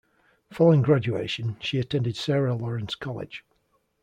Following graduation, she attended Sarah Lawrence College.